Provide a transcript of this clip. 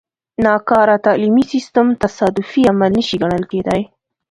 ناکاره تعلیمي سیستم تصادفي عمل نه شي ګڼل کېدای.